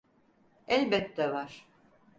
Elbette var.